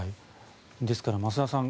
ですから、増田さん